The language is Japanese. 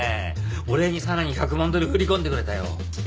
お礼にさらに１００万ドル振り込んでくれたよ。